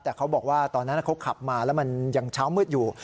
แต่เขาบอกว่าตอนนั้นเขาขับมาแล้วมันยังเช้ามืดอยู่